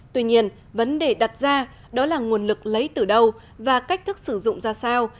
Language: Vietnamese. tuy nhiên vấn đề đặt ra đó là nguồn lực lấy từ đâu và cách thức sử dụng ra sao